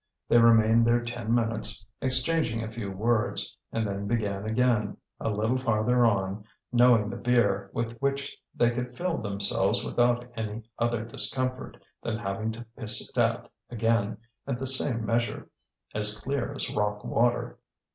They remained there ten minutes, exchanging a few words, and then began again, a little farther on, knowing the beer, with which they could fill themselves without any other discomfort than having to piss it out again in the same measure, as clear as rock water.